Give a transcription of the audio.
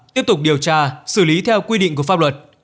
tiếp tục điều tra xử lý theo quy định của pháp luật